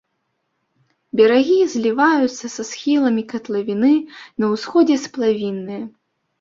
Берагі зліваюцца са схіламі катлавіны, на ўсходзе сплавінныя.